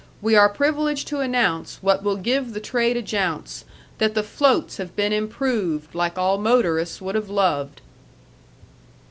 We are privileged to announce what will give the trade a jounce, that the floats have been improved like all motorists would have loved."